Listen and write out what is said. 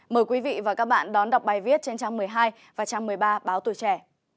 mời quý vị và các bạn đón đọc bài viết trên trang một mươi hai và trang một mươi ba báo tùy trẻ